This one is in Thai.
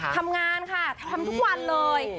ทำงานค่ะทำทุกวันเลย